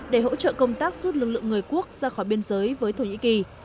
để hỗ trợ công tác rút lực lượng người quốc ra khỏi biên giới với thổ nhĩ kỳ